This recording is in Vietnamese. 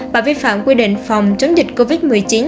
và vi phạm quy định phòng chống dịch covid một mươi chín